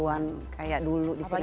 enam puluh an kayak dulu di sinetron